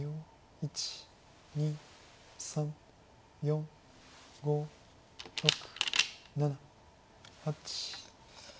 １２３４５６７８。